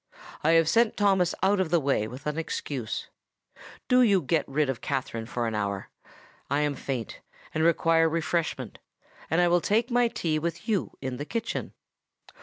I have sent Thomas out of the way with an excuse: do you get rid of Katherine for an hour; I am faint—and require refreshment; and I will take my tea with you in the kitchen."